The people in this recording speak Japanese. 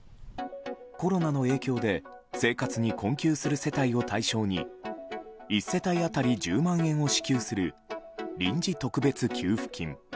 コロナの影響で生活に困窮する世帯を対象に１世帯当たり１０万円を支給する臨時特別給付金。